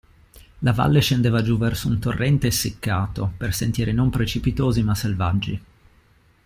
La valle scendeva giù verso un torrente essiccato, per sentieri non precipitosi ma selvaggi.